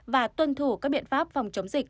và tuân thủ các biện pháp phòng chống dịch